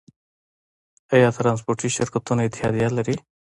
آیا ټرانسپورټي شرکتونه اتحادیه لري؟